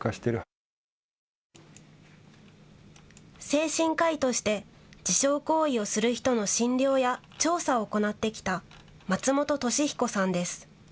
精神科医として自傷行為をする人の診療や調査を行ってきた松本俊彦さんです。